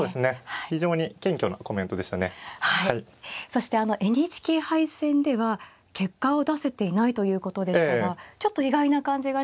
そしてＮＨＫ杯戦では結果を出せていないということでしたがちょっと意外な感じがしますよね。